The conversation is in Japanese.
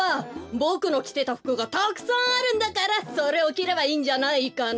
ボクのきてたふくがたくさんあるんだからそれをきればいいんじゃないかな？